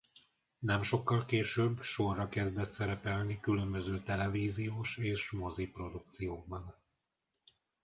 Nem sokkal később sorra kezdett szerepelni különböző televíziós és mozi-produkciókban.